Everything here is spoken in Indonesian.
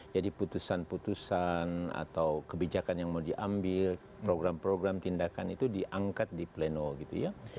jadi putusan putusan atau kebijakan yang mau diambil program program tindakan itu diangkat di pleno gitu ya